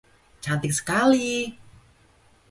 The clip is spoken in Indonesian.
Cantik sekali!